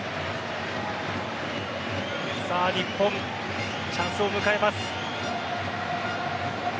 さあ日本、チャンスを迎えます。